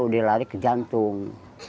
udah lari ke jantung